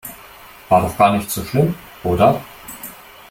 War doch gar nicht so schlimm, oder?